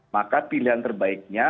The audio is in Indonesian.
maka pilihan terbaiknya